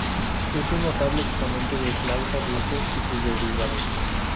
Es un notable exponente de flauta dulce y sus derivados.